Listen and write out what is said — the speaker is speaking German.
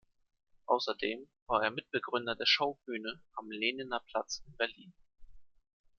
Außerdem war er Mitbegründer der Schaubühne am Lehniner Platz in Berlin.